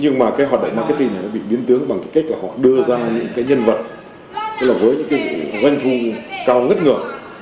nhưng mà cái hội đồng marketing bị biến tướng bằng cách họ đưa ra những nhân vật với những doanh thu cao ngất ngược